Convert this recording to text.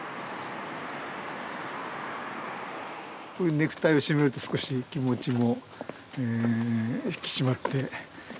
ネクタイを締めると少し気持ちも引き締まっていいかなと思います。